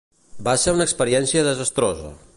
Va ser una experiència desastrosa!